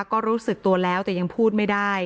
ก็รู้สึกตัวแล้วแต่ยังพูดไม่ได้